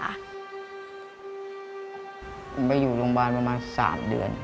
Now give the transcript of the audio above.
ไปอยู่โรงพยาบาลประมาณ๓เดือน